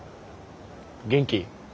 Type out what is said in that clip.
元気？